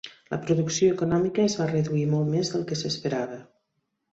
La producció econòmica es va reduir molt més del que s'esperava.